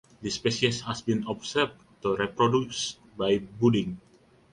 This species has been observed to reproduce by budding.